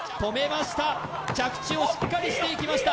着地をしっかりしていきました